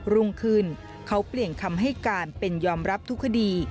รุ่งขึ้นเขาเปลี่ยนคำให้การเป็นยอมรับทุกคดี